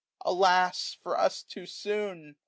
Alas, for us too aoon